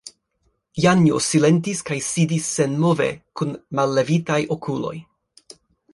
Janjo silentis kaj sidis senmove kun mallevitaj okuloj.